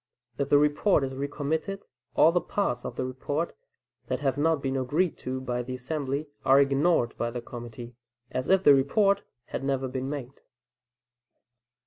If the report is recommitted, all the parts of the report that have not been agreed to by the assembly, are ignored by the committee as if the report had never been made.